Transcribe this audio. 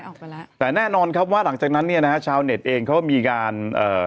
ออกไปแล้วแต่แน่นอนครับว่าหลังจากนั้นเนี่ยนะฮะชาวเน็ตเองเขาก็มีการเอ่อ